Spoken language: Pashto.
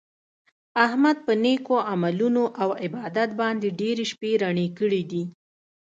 احمد په نېکو عملونو او عبادت باندې ډېرې شپې رڼې کړي دي.